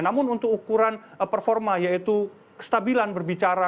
namun untuk ukuran performa yaitu kestabilan berbicara